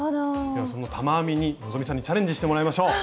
ではその玉編みに希さんにチャレンジしてもらいましょう。